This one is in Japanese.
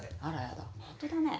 あらやだ。